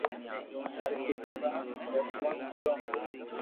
هر قسم را چۮما ملو هو